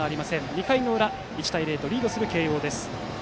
２回裏、１対０とリードする慶応です。